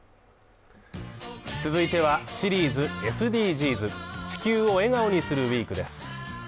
続いては、シリーズ「ＳＤＧｓ」「地球を笑顔にするＷＥＥＫ」です。